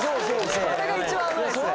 それが一番危ないですね！